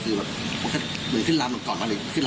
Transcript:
คือเหมือนขึ้นลำมาก่อนหรือขึ้นลำ